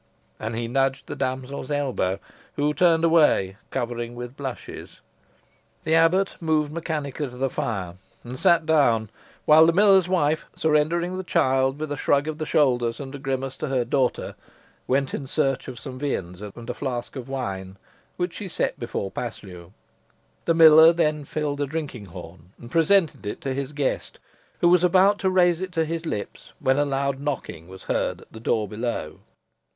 And he nudged the damsel's elbow, who turned away, covered with blushes. The abbot moved mechanically to the fire, and sat down, while the miller's wife, surrendering the child with a shrug of the shoulders and a grimace to her daughter, went in search of some viands and a flask of wine, which she set before Paslew. The miller then filled a drinking horn, and presented it to his guest, who was about to raise it to his lips, when a loud knocking was heard at the door below.